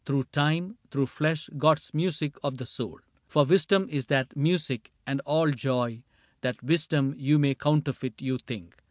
Through time, through flesh, God's music of the soul. For wisdom is that music, and all joy That wisdom :— you may counterfeit, you think.